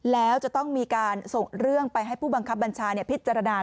แล้วจะต้องมีการส่งเรื่องไปให้ผู้บังคับบัญชาพิจารณา